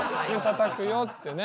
「たたくよ」ってね。